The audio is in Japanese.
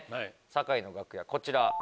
酒井の楽屋こちら。